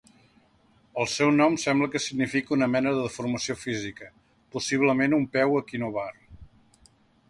El seu nom sembla que significa una mena de deformació física, possiblement un peu equinovar.